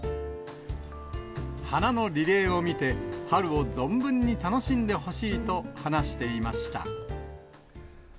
花のリレーを見て、春を存分に楽しんでほしいと話していました。